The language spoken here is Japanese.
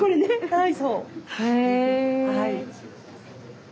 はい。